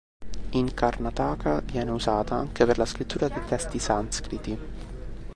In Karnataka viene usata anche per la scrittura dei testi sanscriti.